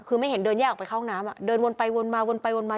คือไม่เห็นเดินแยกออกไปเข้าน้ำเดินวนไปวนมาวนไปวนมา